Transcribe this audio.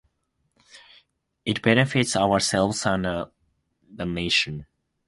It benefits ourselves and the nation (purpose).